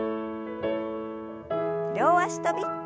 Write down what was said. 両脚跳び。